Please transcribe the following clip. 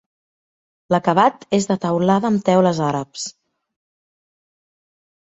L'acabat és de teulada amb teules àrabs.